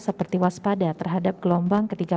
seperti waspada terhadap gelombang ketiga